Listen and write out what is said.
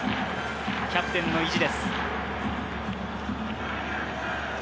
キャプテンの意地です。